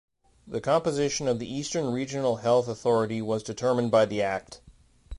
The composition of the Eastern Regional Health Authority was determined by the act.